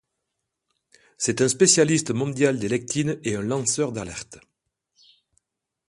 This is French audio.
C'est un spécialiste mondial des lectines et un lanceur d'alerte.